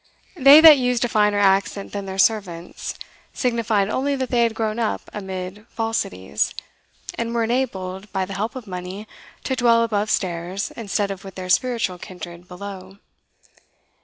That they used a finer accent than their servants, signified only that they had grown up amid falsities, and were enabled, by the help of money, to dwell above stairs, instead of with their spiritual kindred below.